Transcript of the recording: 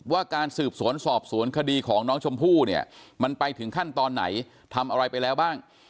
ว่าการสืบสวนสอบสวนคดีของน้องชมพู่เนี่ยมันไปถึงขั้นตอนไหนทำอะไรไปแล้วบ้าง